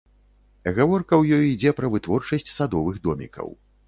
Гаворка ў ёй ідзе пра вытворчасць садовых домікаў.